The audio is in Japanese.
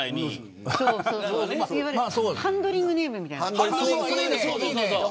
ハンドリングネームみたいな。